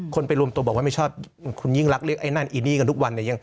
ไปรวมตัวบอกว่าไม่ชอบคุณยิ่งรักเรียกไอ้นั่นอีนี่กันทุกวันเนี่ย